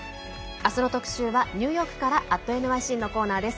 明日の特集はニューヨークから「＠ｎｙｃ」のコーナーです。